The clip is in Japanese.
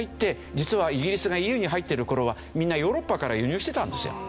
実はイギリスがＥＵに入ってる頃はみんなヨーロッパから輸入してたんですよ。